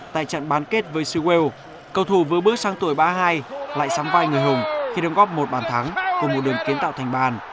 tại trận bán kết với sứ wales cầu thủ vừa bước sang tuổi ba mươi hai lại sắm vai người hùng khi đồng góp một bàn thắng cùng một đường kiến tạo thành bàn